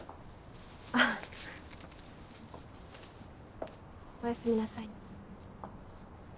あおやすみなさい。